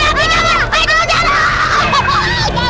zara bola api kabur